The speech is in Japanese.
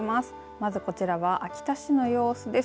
まずこちらは秋田市の様子です。